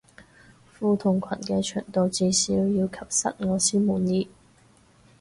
褲同裙嘅長度至少要及膝我先滿意